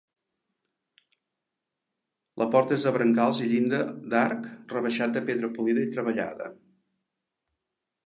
La porta és de brancals i llinda d'arc rebaixat de pedra polida i treballada.